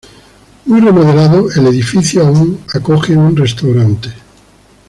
Muy remodelado, el edificio aún acoge un restaurante.